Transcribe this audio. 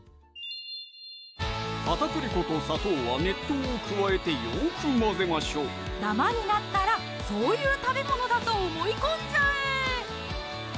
片栗粉と砂糖は熱湯を加えてよく混ぜましょうダマになったらそういう食べ物だと思い込んじゃえ！